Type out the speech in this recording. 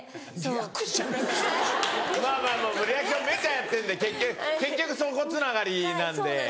まぁまぁまぁリアクションめちゃやってんで結局そこつながりなんで。